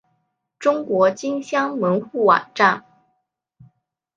中国金乡门户网站